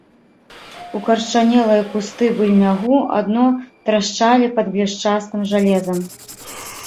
Укарчанелыя кусты быльнягу адно трашчалі пад блішчастым жалезам.